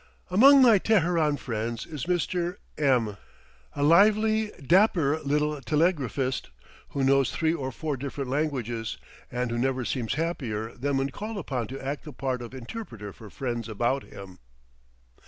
Among my Teheran friends is Mr. M , a lively, dapper little telegraphist, who knows three or four different languages, and who never seems happier than when called upon to act the part of interpreter for friends about him.